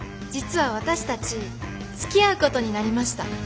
実は私たちつきあうことになりました。